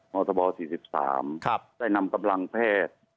มธบ๔๓ได้นำกำลังแพทย์